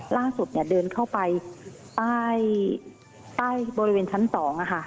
ล่าสุดเดินเข้าไปใต้บริเวณชั้น๒นะคะ